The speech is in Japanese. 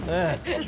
ええ。